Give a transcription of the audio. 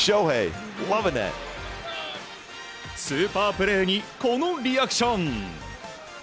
スーパープレーにこのリアクション。